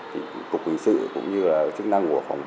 cục quyền sự cũng như chức năng của phòng bốt